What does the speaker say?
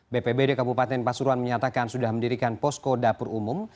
bpbd kabupaten pasuruan menyatakan sudah mendirikan posko dapur umum